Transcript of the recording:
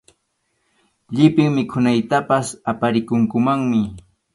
Llipin mikhuytapas aparikunkumanmi.